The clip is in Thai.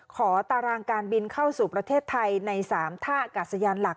ตารางการบินเข้าสู่ประเทศไทยใน๓ท่าอากาศยานหลัก